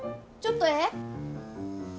ちょっとええ？